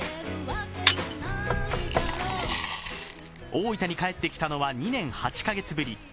大分に帰ってきたのは２年８か月ぶり。